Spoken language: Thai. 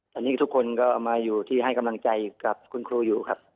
ตอนนี้ทุกคนก็มาอยู่ที่ให้กำลังใจกับคุณครูอยู่ครับ